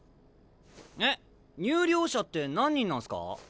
えっ入寮者って何人なんすか？